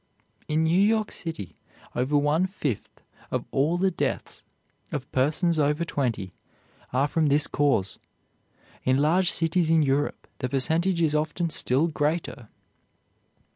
In New York City, over one fifth of all the deaths of persons over twenty are from this cause. In large cities in Europe the percentage is often still greater.